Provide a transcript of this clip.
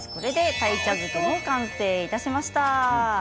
鯛茶漬けも完成いたしました。